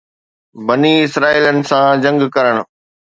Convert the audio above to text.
بني اسرائيلن سان جنگ ڪرڻ